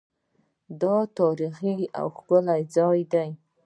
دا یو تاریخي او ښکلی ځای دی.